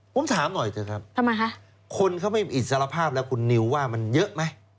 ผมถามหน่อยเถอะครับทำไมคะคนเขาไม่อิสรภาพแล้วคุณนิวว่ามันเยอะไหม